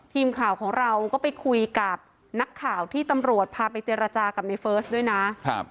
ทีมข่าวของเราก็ไปคุยกับนักข่าวที่ตำรวจพาไปเจรจากับในเฟิร์สด้วยนะครับ